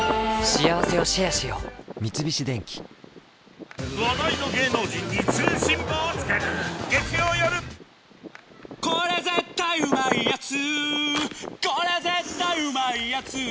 三菱電機「日清これ絶対うまいやつ」